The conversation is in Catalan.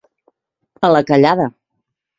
A la callada.